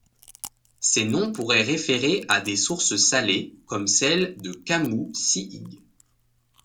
Ces noms pourraient référer à des sources salées comme celle de Camou-Cihigue.